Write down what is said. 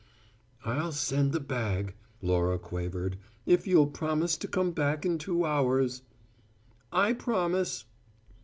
"I'll send the bag," Laura quavered, "if you'll promise to come back in two hours." "I promise!"